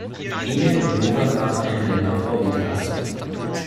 Emil und Lora fahren ein Rennen auf Bobbycars.